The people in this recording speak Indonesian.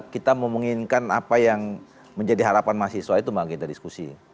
kita memungkinkan apa yang menjadi harapan mahasiswa itu kita diskusi